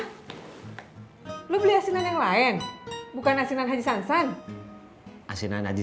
hai lu beli hasilnya yang lain bukan asinan dan